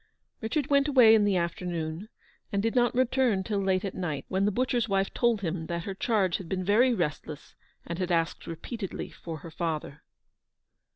Richard went away in the afternoon, and did not return till late at night, when the butcher's wife told him that her charge had been very rest less, and had asked repeatedly for her father.